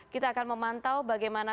kita akan memantau bagaimana